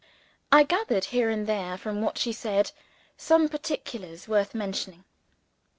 I gathered, here and there, from what she said, some particulars worth mentioning.